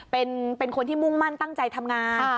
เป็นคนที่มุ่งมั่นตั้งใจทำงาน